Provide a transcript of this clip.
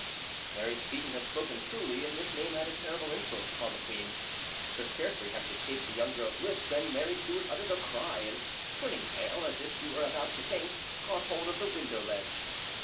Mary Seyton had spoken truly, and this name had a terrible influence upon the queen; for scarcely had it escaped the young girl's lips than Mary Stuart uttered a cry, and turning pale, as if she were about to faint, caught hold of the window ledge.